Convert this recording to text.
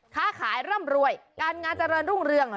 ค้าขายร่ำรวยการงานเจริญรุ่งเรือง